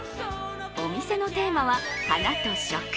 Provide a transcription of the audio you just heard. お店のテーマは、花と食。